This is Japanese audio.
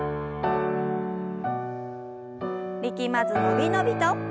力まず伸び伸びと。